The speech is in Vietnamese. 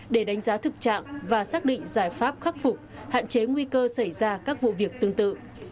để đánh giá thực trạng và xác định giải pháp khắc phục hạn chế nguy cơ xảy ra các vụ việc tương tự